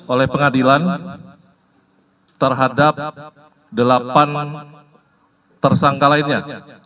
oleh pengadilan terhadap delapan tersangka lainnya